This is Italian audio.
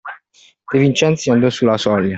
De Vincenzi andò sulla soglia.